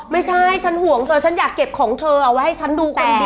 ไม่ใช่ฉันห่วงเธอฉันอยากเก็บของเธอเอาไว้ให้ฉันดูก่อน